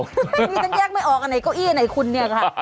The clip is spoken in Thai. นี่ฉันแยกไม่ออกอันไหนเก้าอี้ไหนคุณเนี่ยค่ะ